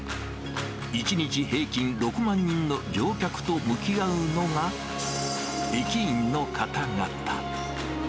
１日平均６万人の乗客と向き合うのが、駅員の方々。